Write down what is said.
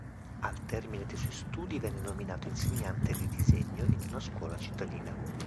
Al termine dei suoi studi venne nominato insegnante di disegno in una scuola cittadina.